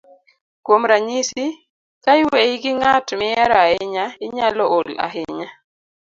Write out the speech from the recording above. kuom ranyisi, ka iweyi gi ng'at mihero ahinya, inyalo ol ahinya